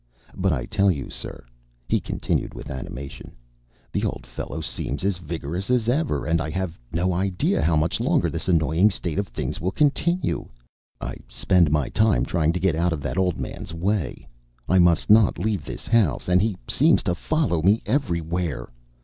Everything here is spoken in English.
But I tell you, sir," he continued, with animation, "the old fellow seems as vigorous as ever, and I have no idea how much longer this annoying state of things will continue. I spend my time trying to get out of that old man's way. I must not leave this house, and he seems to follow me everywhere.